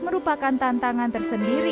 merupakan tantangan tersendiri